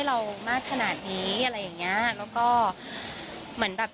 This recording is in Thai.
โอ้โหคนนี่รักมาก